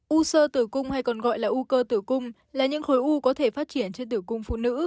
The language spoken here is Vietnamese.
u sơ tử cung hay còn gọi là u cơ tử cung là những khối u có thể phát triển trên tử cung phụ nữ